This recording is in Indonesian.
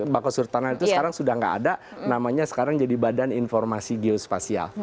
bako surtanal itu sekarang sudah nggak ada namanya sekarang jadi badan informasi geospasial